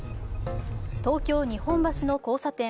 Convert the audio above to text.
東京・日本橋の交差点。